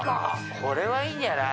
これはいいんじゃない？